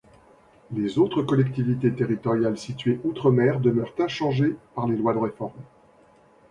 Les autres collectivités territoriales situées outre-mer demeurent inchangées par les lois de réforme.